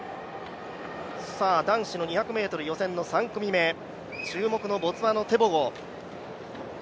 男子の２００ｍの予選の３組目注目のボツワナ、テボゴ。